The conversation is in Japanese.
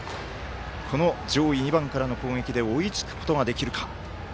この上位２番からの攻撃で追いつくことができるか。